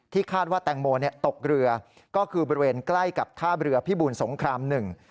คาดว่าแตงโมตกเรือก็คือบริเวณใกล้กับท่าเรือพิบูลสงครามหนึ่ง